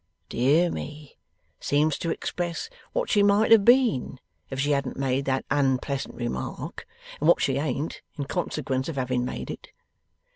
Dear me! Seems to express what she might have been, if she hadn't made that unpleasant remark and what she ain't, in consequence of having made it.